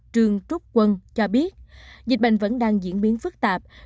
trương trúc quân cho biết dịch bệnh vẫn đang diễn biến phức tạp